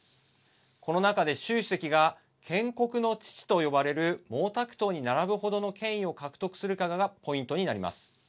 この中で習主席が建国の父と呼ばれる毛沢東に並ぶ程の権威を獲得するかがポイントになります。